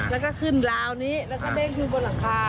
แล้วก็ขึ้นราวนี้แล้วก็เด้งขึ้นบนหลังคา